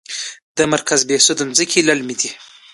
د مرکز بهسود ځمکې للمي دي